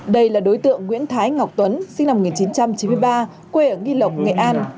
đây là đối tượng nguyễn thái ngọc tuấn sinh năm một nghìn chín trăm chín mươi ba quê ở nghi lộc nghệ an